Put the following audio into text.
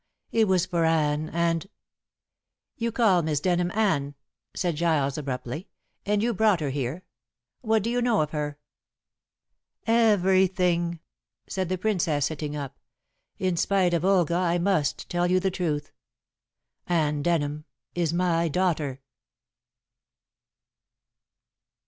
It was for Anne, and " "You call Miss Denham Anne," said Giles abruptly; "and you brought her here. What do you know of her?" "Everything," said the Princess, sitting up. "In spite of Olga I must tell you the truth. Anne Denham is my daughter!"